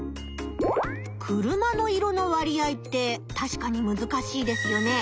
車の色の割合ってたしかにむずかしいですよね。